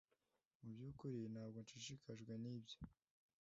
mu byukuri ntabwo nshishikajwe nibyo